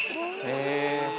へえ。